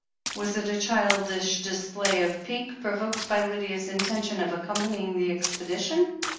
Was it a childish display of pique provoked by Lydia's intention of accompanying the expedition